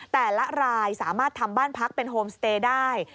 แต่ละรายสามารถทำบ้านพักเป็นโฮมสเตย์ได้